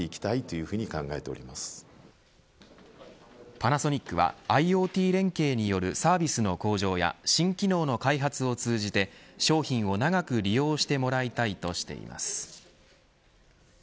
パナソニックはＩｏＴ連携によるサービスの向上や新機能の開発を通じて商品を長く利用してもらいたいとしています。